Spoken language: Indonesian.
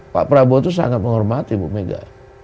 pak prabowo itu sangat menghormati bu mega